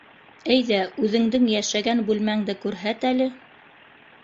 Әйҙә үҙеңдең йәшәгән бүлмәңде күрһәт әле.